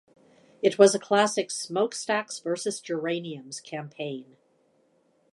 It was a classic "Smokestacks versus Geraniums" campaign.